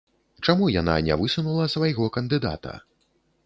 Чаму яна не высунула свайго кандыдата?